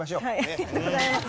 ありがとうございます。